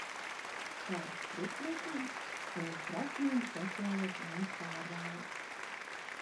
Kādas priekšrocības sniedz prasmīga sociālo kontu pārvalde?